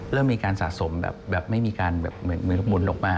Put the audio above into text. เริ่มมีการสะสมแบบไม่มีการหมุนลงไป